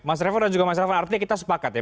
mas revo dan juga mas revo artinya kita sepakat ya